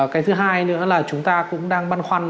cái thứ hai nữa là chúng ta cũng đang băn khoăn